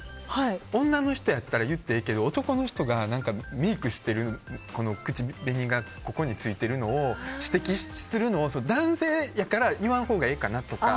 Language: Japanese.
女の人は言ってもいいけど男の人がメイクしてる、口紅がここについてるのを指摘するのを男性やから言わんほうがええかなとか。